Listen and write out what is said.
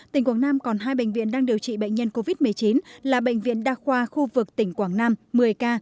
tp hcm còn hai bệnh viện đang điều trị bệnh nhân covid một mươi chín là bệnh viện đa khoa khu vực tp hcm một mươi ca